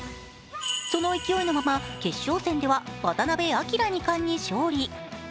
その勢いのまま決勝戦では渡辺明二冠に勝利。